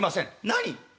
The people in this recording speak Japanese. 「何？